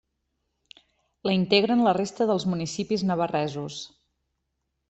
La integren la resta dels municipis navarresos.